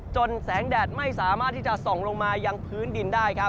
แสงแดดไม่สามารถที่จะส่องลงมายังพื้นดินได้ครับ